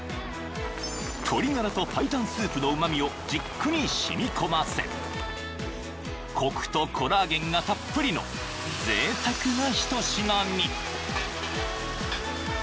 ［鶏がらと白湯スープのうま味をじっくり染み込ませコクとコラーゲンがたっぷりのぜいたくな一品に］